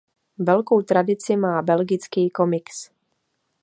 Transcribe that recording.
Velkou tradici má belgický komiks.